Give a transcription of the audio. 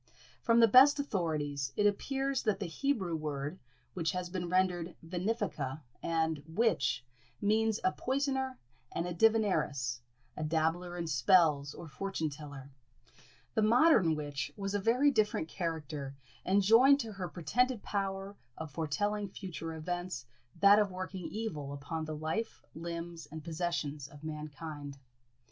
From the best authorities, it appears that the Hebrew word, which has been rendered venefica and witch, means a poisoner and divineress, a dabbler in spells, or fortune teller. The modern witch was a very different character, and joined to her pretended power of foretelling future events that of working evil upon the life, limbs, and possessions of mankind.